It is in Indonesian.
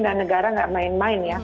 dan negara tidak main main ya